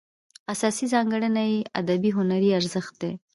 اساسي ځانګړنه یې ادبي هنري ارزښت دی.